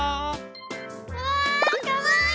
うわかわいい！